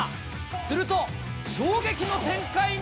すると、衝撃の展開に。